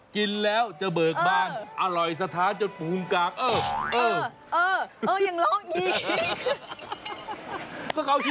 ขนมอร่อยกูดีกว่าหนี้